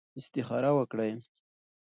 استخاره وکړئ.